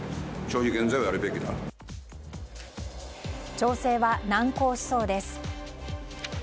調整は難航しそうです。